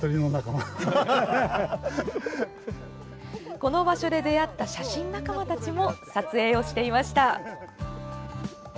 この場所で出会った写真仲間たちも撮影をしていました。